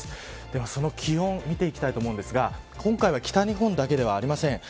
ではその気温見ていきたいと思うんですが今回は北日本だけではありません。